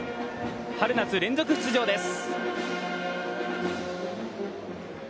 春夏連続出場です。